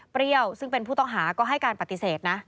เปรี้ยวซึ่งเป็นผู้ต้องหาก็ให้การปฏิเสธนะ